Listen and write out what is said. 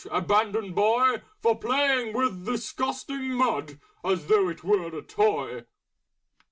Abandoned Boy! For Playing with Disgusting Mud As though it were a Toy!"